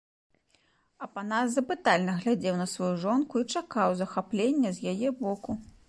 Апанас запытальна глядзеў на сваю жонку і чакаў захаплення з яе боку.